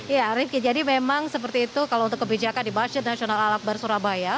ya rifki jadi memang seperti itu kalau untuk kebijakan di masjid nasional al akbar surabaya